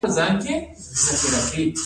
په ګناه کې اطاعت شته؟